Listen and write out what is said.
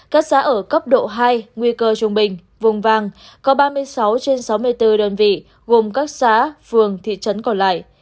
các xã ở cấp độ hai nguy cơ trung bình vùng vàng có ba mươi sáu trên sáu mươi bốn đơn vị gồm các xã phường thị trấn còn lại